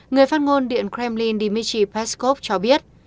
người phát ngôn điện kremlin dmitry peskov cho biết